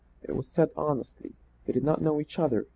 It was said honestly. They did not know each other.